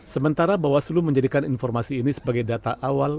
sementara bahwa seluruh menjadikan informasi ini sebagai data awal